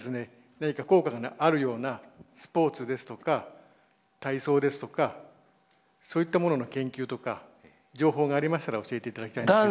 何か効果があるようなスポーツですとか体操ですとかそういったものの研究とか情報がありましたら教えて頂きたいんですけど。